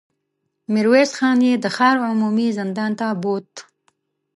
ميرويس خان يې د ښار عمومي زندان ته بوت.